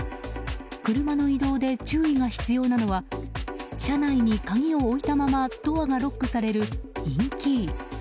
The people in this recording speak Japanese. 車の移動で注意が必要なのは車内に鍵を置いたままドアがロックされるインキー。